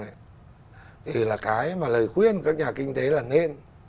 thì là cái mà lời khuyên các nhà kinh tế là nên